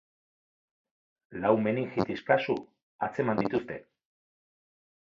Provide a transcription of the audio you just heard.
Lau meningitis kasu atzeman dituzte.